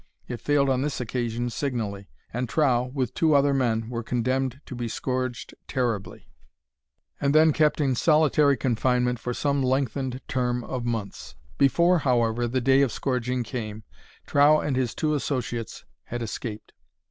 It failed on this occasion signally, and Trow, with two other men, were condemned to be scourged terribly, and then kept in solitary confinement for some lengthened term of months. Before, however, the day of scourging came, Trow and his two associates had escaped.